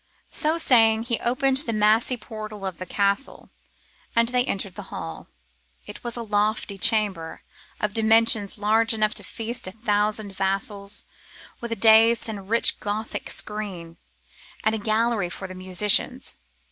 So saying, he opened the massy portal of the castle and they entered the hall. It was a lofty chamber, of dimensions large enough to feast a thousand vassals, with a dais and a rich Gothic screen, and a gallery for the musicians.